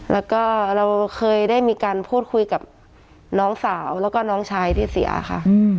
แล้วก็เราเคยได้มีการพูดคุยกับน้องสาวแล้วก็น้องชายที่เสียค่ะ